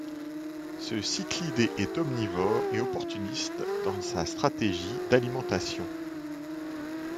Ce Cichlidé est omnivore et opportuniste dans sa stratégie d'alimentation.